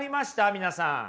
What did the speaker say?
皆さん。